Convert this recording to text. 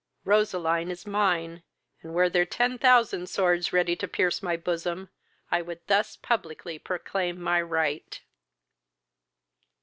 Roseline is mine, and were there ten thousand swords ready to pierce my bosom, I would thus publicly proclaim my right."